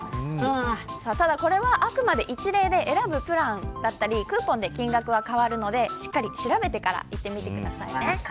ただこれはあくまで一例で選ぶプランやクーポンで金額は変わるのでしっかり調べてから行ってみてくださいね。